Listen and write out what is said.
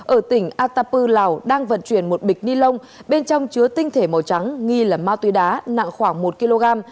ở tỉnh atapu lào đang vận chuyển một bịch ni lông bên trong chứa tinh thể màu trắng nghi là ma túy đá nặng khoảng một kg